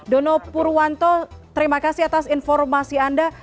dono purwanto terima kasih atas informasi anda